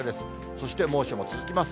そして猛暑も続きます。